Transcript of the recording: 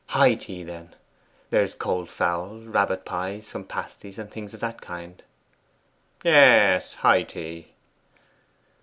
'High tea, then? There is cold fowl, rabbit pie, some pasties, and things of that kind.' 'Yes, high tea.